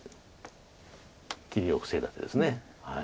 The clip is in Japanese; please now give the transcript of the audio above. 切りを防いだ手です。